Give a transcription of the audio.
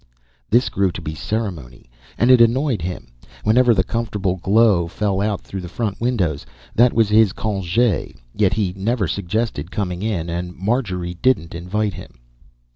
This grew to be a ceremony and it annoyed him. Whenever the comfortable glow fell out through the front windows, that was his CONGÉ; yet he never suggested coming in and Marjorie didn't invite him.